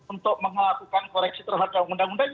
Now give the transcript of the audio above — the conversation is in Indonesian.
untuk melakukan koreksi terhadap undang undang